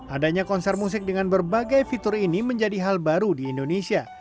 adanya konser musik dengan berbagai fitur ini menjadi hal baru di indonesia